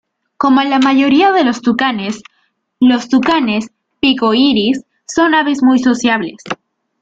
Como la mayoría de los tucanes, los tucanes pico iris son aves muy sociables.